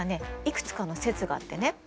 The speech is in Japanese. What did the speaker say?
いくつかの説があってね。